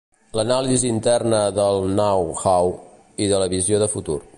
L'anàlisi interna del know-how i de la visió de futur.